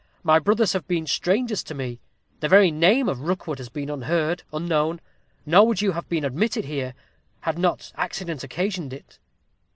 My brothers have been strangers to me; the very name of Rookwood has been unheard, unknown; nor would you have been admitted here, had not accident occasioned it.'